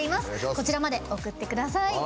こちらまで送ってください。